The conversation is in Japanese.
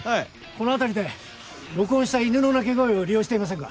この辺りで録音した犬の鳴き声を利用していませんか？